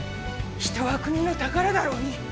人は国の宝だろうに。